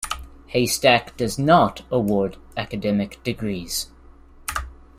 Haystack does not award academic degrees.